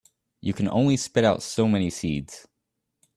You can only spit out so many seeds.